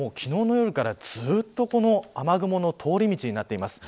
ここが、昨日の夜からずっと雨雲の通り道になっています。